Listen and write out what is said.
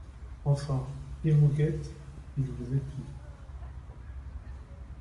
Enfin, il vous guette, il vous épie…